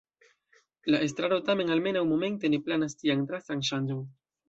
La estraro tamen almenaŭ momente ne planas tian drastan ŝanĝon.